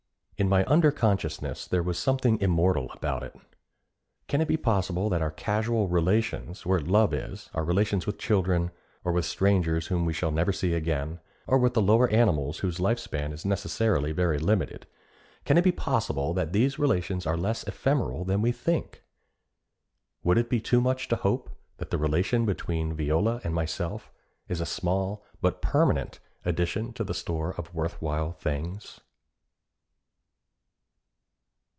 In my under consciousness, there was something immortal about it. Can it be possible that our casual relations, where love is, our relations with children, or with strangers whom we shall never see again, or with the lower animals whose span of life is necessarily very limited, can it be possible that these relations are less ephemeral than we think? Would it be too much to hope that the relation between Viola and myself is a small but permanent addition to the store of worth while things?